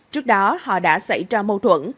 trước đó họ đã xảy ra mâu thuẫn